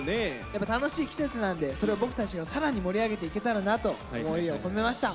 やっぱ楽しい季節なんでそれを僕たちが更に盛り上げていけたらなと思いを込めました。